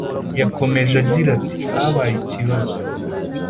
yakomeje agira ati “habaye ikibazo,